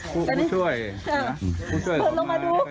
คนลงมาดู